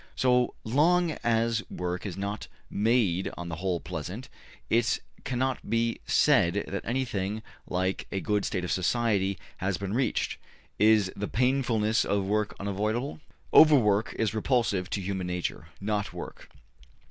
So long as work is not made on the whole pleasant, it cannot be said that anything like a good state of society has been reached. Is the painfulness of work unavoidable? ``Overwork is repulsive to human nature not work.